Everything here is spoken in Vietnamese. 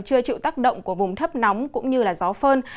chưa chịu tác động của vùng thấp nóng cũng như gió phơn